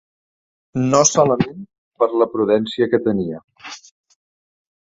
No solament per la prudència que tenia